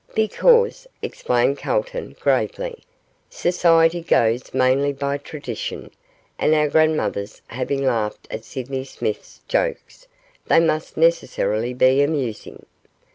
'Because,' explained Calton, gravely, 'society goes mainly by tradition, and our grandmothers having laughed at Sydney Smith's jokes, they must necessarily be amusing.